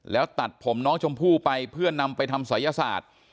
แล้วตัดผมน้องชมพู่ไปเพื่อนำไปทำศัยศาสตร์